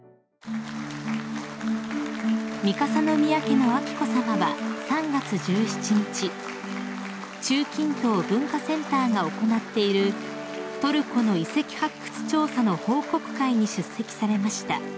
［三笠宮家の彬子さまは３月１７日中近東文化センターが行っているトルコの遺跡発掘調査の報告会に出席されました］